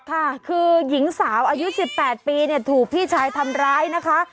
ค่ะคือหญิงสาวอายุ๑๘ปีเนี่ยถูกพี่ชายทำร้ายนะคะ